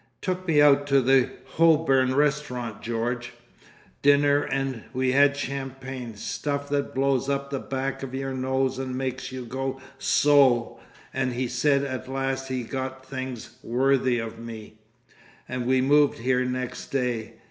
Took me out to the Ho'burm Restaurant, George,—dinner, and we had champagne, stuff that blows up the back of your nose and makes you go So, and he said at last he'd got things worthy of me—and we moved here next day.